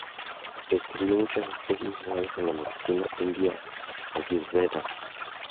Describió muchas especies usadas en la medicina india Ayurveda.